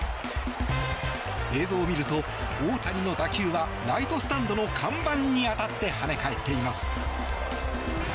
映像を見ると、大谷の打球はライトスタンドの看板に当たって跳ね返っています。